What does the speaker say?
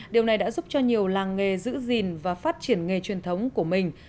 điều này đã giúp cho nhiều làng nghề giữ gìn và phát triển nghề truyền thống của mình